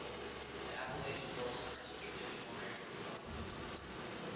The Appalachian dulcimer is a traditional American form.